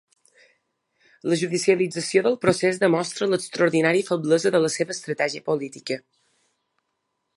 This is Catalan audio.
La judicialització del procés demostra l’extraordinària feblesa de la seva estratègia política.